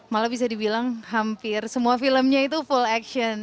malah bisa dibilang hampir semua filmnya itu full action